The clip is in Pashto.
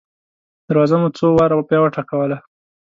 دروازه مو څو واره بیا وټکوله.